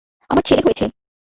আমার ছেলে হয়েছে!